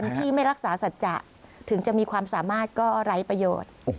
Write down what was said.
ที่ไม่รักษาสัจจะถึงจะมีความสามารถก็ไร้ประโยชน์